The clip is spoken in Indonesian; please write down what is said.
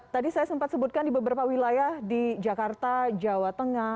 tadi saya sempat sebutkan di beberapa wilayah di jakarta jawa tengah